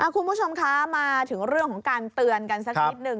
คุณผู้ชมคะมาถึงเรื่องของการเตือนกันสักนิดหนึ่ง